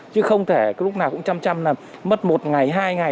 chứ không thể lúc nào cũng chăm chăm là mất một ngày hai ngày